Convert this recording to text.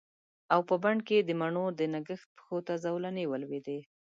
او په بڼ کې د مڼو د نګهت پښو ته زولنې ولویدې